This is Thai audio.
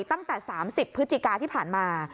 ตั้งแต่๓๐พฤศจิกาที่ผ่านมา